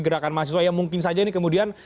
gerakan mahasiswa yang mungkin saja ini kemudian